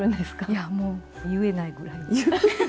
いやもう言えないぐらい。